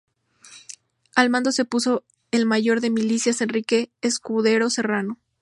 Al mando se puso el mayor de milicias Enrique Escudero Serrano.